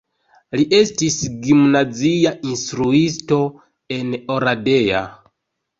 Li estis gimnazia instruisto en Oradea.